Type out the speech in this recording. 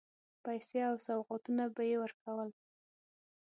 پیسې او سوغاتونه به یې ورکول.